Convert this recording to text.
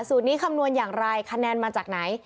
นี้คำนวณอย่างไรคะแนนมาจากไหน